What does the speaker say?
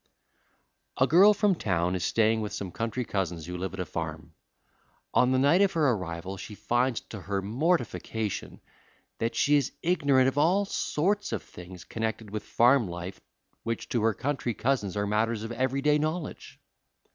A girl from town is staying with some country cousins who live at a farm. On the night of her arrival she finds, to her mortification, that she is ignorant of all sorts of things connected with farm life which to her country cousins are matters of every day knowledge.